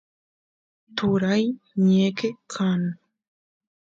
turay ñeqe kan